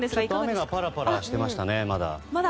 雨がパラパラしてましたねまだ。